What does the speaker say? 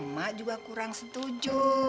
ma juga kurang setuju